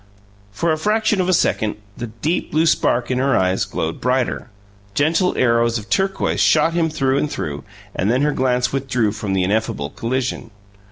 For the fraction of a second, the deep blue spark in her eyes glowed brighter gentle arrows of turquoise shot him through and through and then her glance withdrew from the ineffable collision.